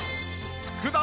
福田